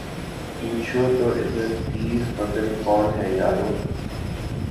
پوچھو تو ادھر تیر فگن کون ہے یارو